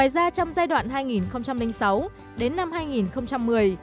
ngoài ra trong giai đoạn hai nghìn sáu đến năm hai nghìn một mươi